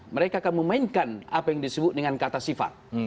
mereka akan memainkan apa yang disebut dengan kata sifat